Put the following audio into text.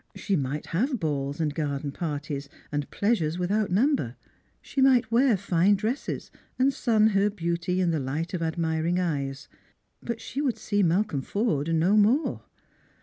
She might have balls and garden parties, and pleasures without number; she might wear fine dresses, and sun her beauty in the light of admiring eyes ; but she would see Malcolm Forde no more.